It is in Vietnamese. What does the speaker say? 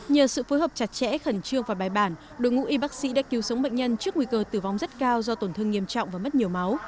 nhờ sự phối hợp chặt chẽ khẩn trương và bài bản đội ngũ y bác sĩ đã cứu sống bệnh nhân trước nguy cơ tử vong rất cao do tổn thương nghiêm trọng và mất nhiều máu